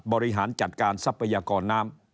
บริหารจัดการทรัพยากรน้ำ